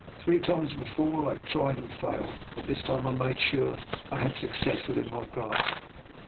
Three times before I have tried and failed, but this time I made sure I had success within my grasp.